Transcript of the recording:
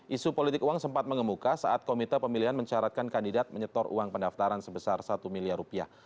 isu politik uang sempat mengemuka saat komite pemilihan mencaratkan kandidat menyetor uang pendaftaran sebesar satu miliar rupiah